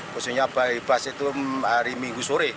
khususnya bypass itu hari minggu sore